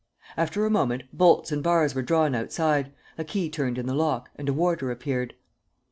After a moment, bolts and bars were drawn outside, a key turned in the lock and a warder appeared.